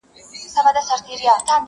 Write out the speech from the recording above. o هر څوک وايي، چي زما د غړکي خوند ښه دئ.